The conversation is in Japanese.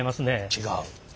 違う。